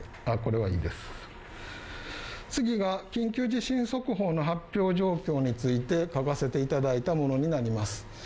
次が、緊急地震速報の発表状況について書かせていただいたものになります。